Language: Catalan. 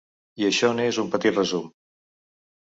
I això n’és un petit resum.